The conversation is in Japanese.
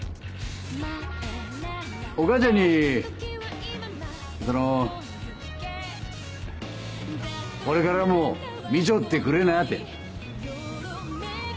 お母ちゃんにそのこれからも見ちょってくれなって。